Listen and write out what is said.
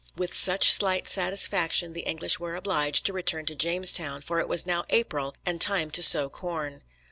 With such slight satisfaction the English were obliged to return to Jamestown, for it was now April and time to sow corn.